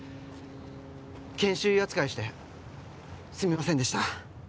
研修医扱いしてすみませんでした